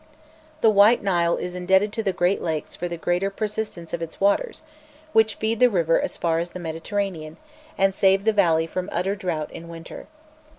The White Nile is indebted to the Great Lakes for the greater persistence of its waters, which feed the river as far as the Mediterranean, and save the valley from utter drought in winter.